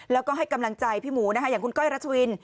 แล้วก็ให้กำลังใจพี่หมูนะคะอย่างคุณก้อยรัชวิน